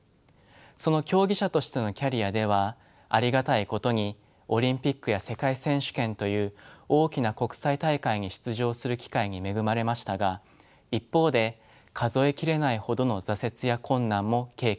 その競技者としてのキャリアではありがたいことにオリンピックや世界選手権という大きな国際大会に出場する機会に恵まれましたが一方で数え切れないほどの挫折や困難も経験しました。